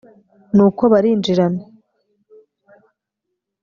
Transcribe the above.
nuko barinjirana